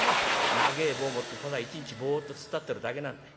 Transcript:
長え棒持ってただ一日ぼっと突っ立ってるだけなんだよ。